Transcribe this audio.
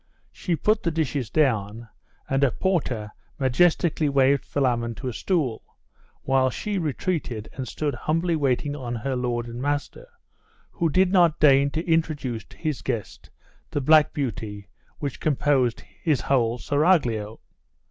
She put the dishes down, and the porter majestically waved Philammon to a stool; while she retreated, and stood humbly waiting on her lord and master, who did not deign to introduce to his guest the black beauty which composed his whole seraglio....